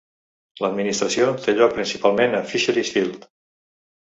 L'administració té lloc principalment a Fisheries Field.